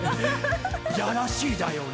やらしいだよね。